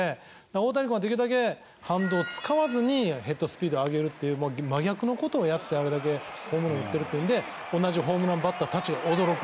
大谷君はできるだけ反動を使わずにヘッドスピードを上げるっていう真逆の事をやってあれだけホームラン打ってるというので同じホームランバッターたちが驚くんですよね。